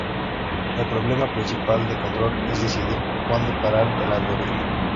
El problema principal de control es decidir cuándo parar el algoritmo.